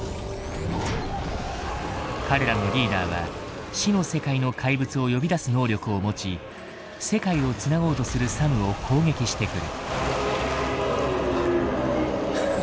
彼らのリーダーは死の世界の怪物を呼び出す能力を持ち世界を繋ごうとするサムを攻撃してくる。